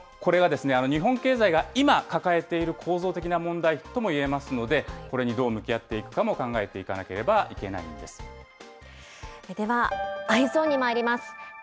これが日本経済が今、抱えている構造的な問題ともいえますので、これにどう向き合っていくかも考ではＥｙｅｓｏｎにまいります。